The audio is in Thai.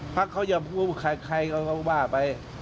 พักเขายอมพูดว่าใครก็บ้าไป